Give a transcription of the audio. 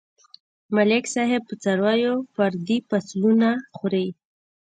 ملک صاحب په څارويو پردي فصلونه خوري.